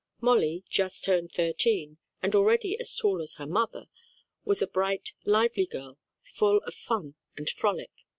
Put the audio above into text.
Molly, just turned thirteen, and already as tall as her mother, was a bright, lively girl, full of fun and frolic.